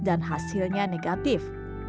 dan hasilnya negatif